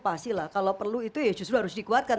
pasti lah kalau perlu itu ya justru harus dikuatkan